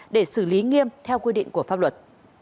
để xử lý nghiêm theo quy định của pháp luật